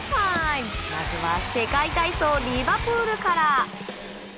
まずは世界体操リバプールから。